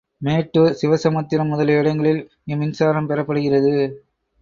மேட்டூர், சிவசமுத்திரம் முதலிய இடங்களில் இம்மின்சாரம் பெறப்படுகிறது.